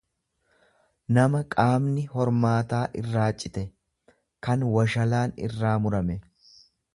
nama qaamni hormaataa irraa cite, kan washalaan irraa murame.